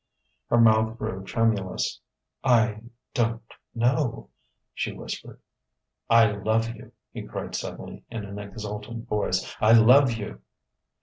Her mouth grew tremulous. "I ... don't ... know," she whispered. "I love you!" he cried suddenly in an exultant voice "I love you!"